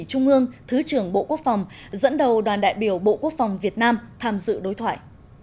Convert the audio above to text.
trung ương thứ trưởng bộ quốc phòng dẫn đầu đoàn đại biểu bộ quốc phòng việt nam tham dự đối thoại